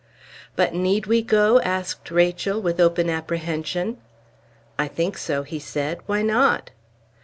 "But need we go?" asked Rachel, with open apprehension. "I think so," he said. "Why not?"